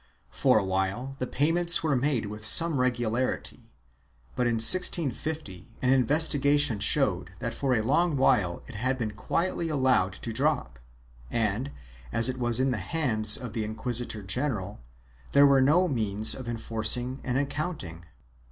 For awhile the payments were made with some regularity, but, in 1650, an investigation showed that for a long while it had been quietly allowed to drop and, as it was in the hands of the inquisitor general, there were no means of enforcing an accounting.